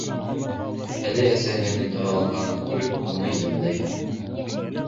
Әле әсәһенең ыҙаланғанын күреп, уны йәлләй.